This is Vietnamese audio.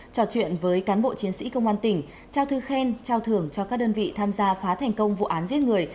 trò chuyện với cán bộ chiến sĩ công an tỉnh trao thư khen trao thưởng cho các đơn vị tham gia phá thành công vụ án giết người